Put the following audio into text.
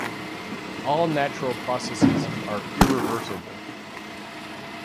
All natural processes are irreversible.